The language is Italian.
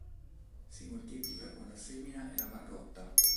Si moltiplica con la semina e la margotta.